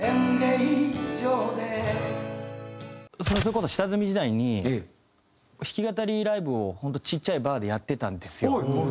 それこそ下積み時代に弾き語りライブを本当ちっちゃいバーでやってたんですよ。